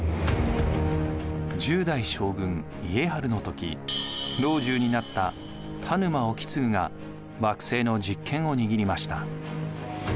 １０代将軍・家治の時老中になった田沼意次が幕政の実権を握りました。